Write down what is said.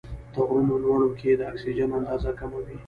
د غرونو لوړو کې د اکسیجن اندازه کمه وي.